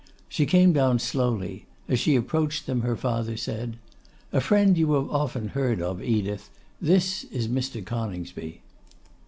She came down slowly; as she approached them her father said, 'A friend you have often heard of, Edith: this is Mr. Coningsby.